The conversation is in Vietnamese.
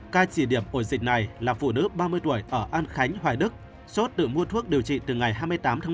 ca chỉ điểm ổ dịch này là phụ nữ ba mươi tuổi ở an khánh hoài đức sốt tự mua thuốc điều trị từ ngày hai mươi tám tháng một mươi